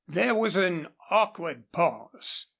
There was an awkward pause.